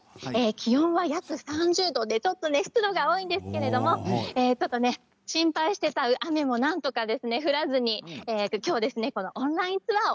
気温は約３０度でちょっと湿度が多いんですけど心配していた雨もなんとか降らずに今日はオンラインツアー